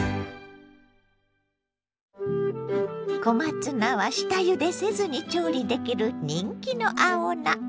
小松菜は下ゆでせずに調理できる人気の青菜。